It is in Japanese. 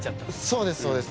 そうですそうです。